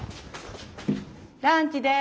ランチです。